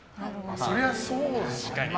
そりゃそうですよね。